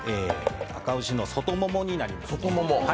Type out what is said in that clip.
あか牛の外ももになります。